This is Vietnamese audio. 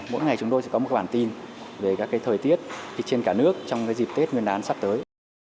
mỗi ngày chúng tôi sẽ có một bản tin về các thời tiết trên cả nước trong dịp tết nguyên đán sắp tới